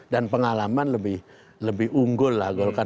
dan pengalaman lebih unggul lah golkar